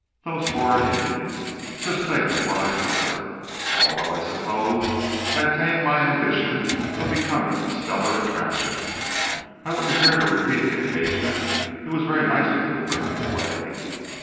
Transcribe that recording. "Those horrid Indians! Just think of what I suffered! Although I suppose I attained my ambition of becoming a stellar attraction, I wouldn't care to repeat the engagement. It was very nice of you to bring me away.